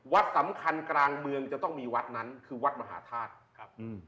วัดสำคัญกลางเมืองจะต้องมีวัดนั้นคือวัดมหาธาตุครับ